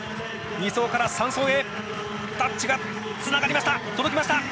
２走から３走へタッチがつながりました届きました！